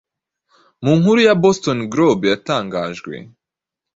Mu nkuru ya Boston Globe yatangajwe